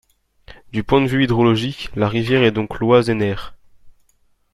Du point de vue hydrologique, la rivière est donc l'Oise-Aisne-Aire.